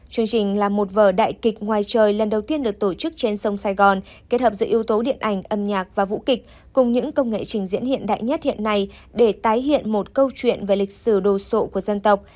chương trình là một vở đại kịch ngoài trời lần đầu tiên được tổ chức trên sông sài gòn kết hợp giữa yếu tố điện ảnh âm nhạc và vũ kịch cùng những công nghệ trình diễn hiện đại nhất hiện nay để tái hiện một câu chuyện về lịch sử đồ sộ của dân tộc